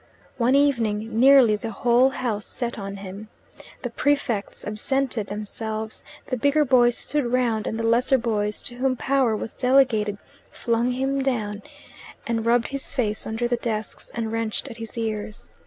One evening nearly the whole house set on him. The prefects absented themselves, the bigger boys stood round and the lesser boys, to whom power was delegated, flung him down, and rubbed his face under the desks, and wrenched at his ears.